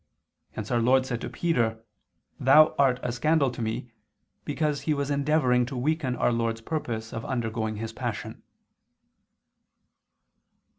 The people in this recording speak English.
Hence Our Lord said to Peter: "Thou art a scandal to Me," because he was endeavoring to weaken Our Lord's purpose of undergoing His Passion.